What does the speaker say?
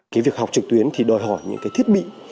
cái việc học trực tuyến thì đòi hỏi những cái thiết bị